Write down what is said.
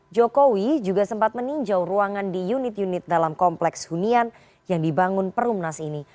jokowi juga sempat meninjau ruangan di unit unit dalam kompleks hunian yang dibangun perumnas ini